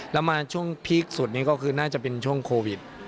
แล้วมาช่วงพีคสุดนี่ก็คือน่าจะเป็นช่วงโควิด